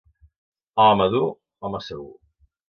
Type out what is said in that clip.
Home madur, home segur.